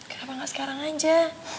kenapa gak sekarang aja